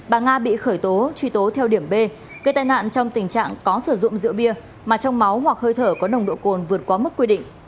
bà nga bị khởi tố truy tố theo điểm b gây tai nạn trong tình trạng có sử dụng rượu bia mà trong máu hoặc hơi thở có nồng độ cồn vượt quá mức quy định